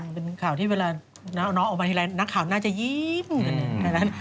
เป็นข่างที่เวลาน้องเอามาโอไทยแดงน้าข่าวน่าจะยิ้มกัน